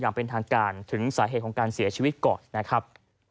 อย่างเป็นทางการถึงสาเหตุของการเสียชีวิตก่อนนะครับ